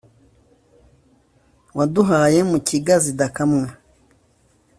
waduhaye mukiga zigakamwa.